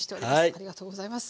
ありがとうございます。